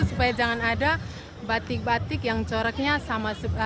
supaya jangan ada batik batik yang coraknya sama